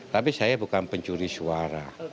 tapi saya bukan pencuri suara